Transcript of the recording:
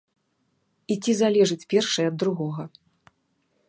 І ці залежыць першае ад другога?